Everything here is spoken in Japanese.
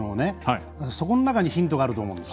そこの中にヒントがあると思うんです。